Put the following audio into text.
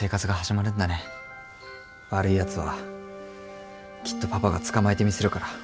悪いやつはきっとパパが捕まえてみせるから。